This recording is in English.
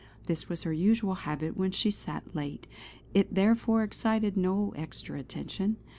This was her usual habit when she sat late; it therefore excited no extra attention.